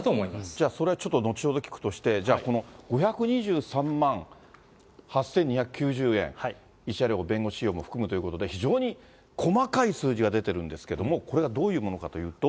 じゃあそれはちょっと後ほど聞くとして、じゃあこの５２３万８２９０円、慰謝料、弁護士費用も含むということで、非常に細かい数字が出てるんですけれども、これがどういうものかというと。